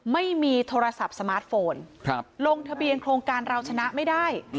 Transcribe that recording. ไม่มีโทรศัพท์สมาร์ทโฟนลงทะเบียนโครงการเราชนะไม่ได้